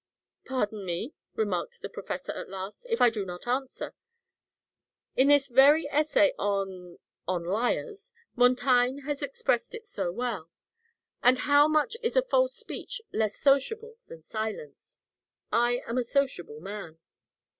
"Pardon me," remarked the professor at last, "if I do not answer. In this very essay on on liars, Montaigne has expressed it so well. 'And how much is a false speech less sociable than silence.' I am a sociable man."